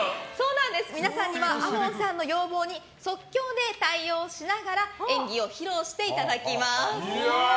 皆さんには亞門さんの要望に即興で対応しながら演技を披露していただきます。